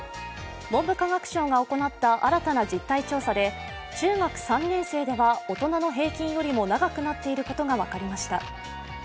文部科学省が行った新たな実態調査で中学３年生では大人の平均よりも長くなっていることが分かりました。